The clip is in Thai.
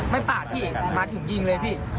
ไม่ปากพี่มาถึงยิงเลยพี่